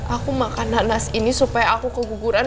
aku makan nanas ini supaya aku keguguran